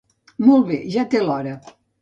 Molt bé, ja té l'hora.